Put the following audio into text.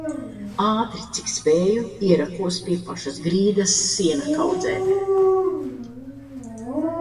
Ātri, cik spēju, ierakos pie pašas grīdas siena kaudzē.